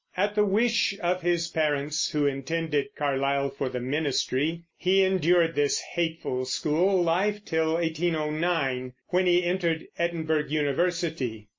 At the wish of his parents, who intended Carlyle for the ministry, he endured this hateful school life till 1809, when he entered Edinburgh University.